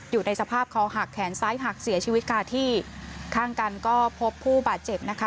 อยู่ในสภาพคอหักแขนซ้ายหักเสียชีวิตค่ะที่ข้างกันก็พบผู้บาดเจ็บนะคะ